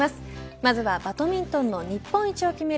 まずはバドミントンの日本一を決める